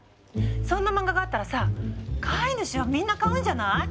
そんな漫画があったらさ飼い主はみんな買うんじゃない？